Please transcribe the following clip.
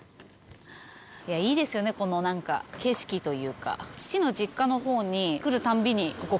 いや、いいですよね、このなんか、景色というか。